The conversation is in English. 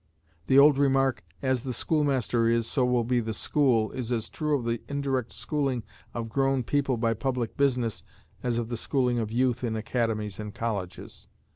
The old remark, "As the schoolmaster is, so will be the school," is as true of the indirect schooling of grown people by public business as of the schooling of youth in academies and colleges.